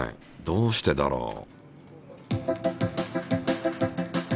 どうしてだろう？